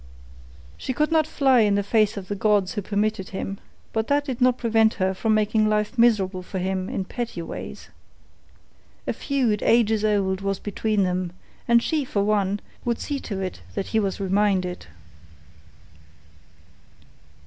She could not fly in the face of the gods who permitted him, but that did not prevent her from making life miserable for him in petty ways. A feud, ages old, was between them, and she, for one, would see to it that he was reminded.